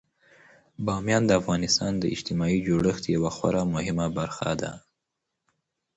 بامیان د افغانستان د اجتماعي جوړښت یوه خورا مهمه برخه ده.